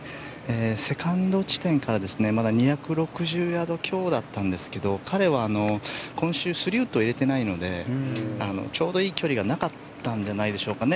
セカンド地点からまだ２６０ヤード強でしたが彼は今週３ウッドを入れてないのでちょうどいい距離がなかったんじゃないですかね。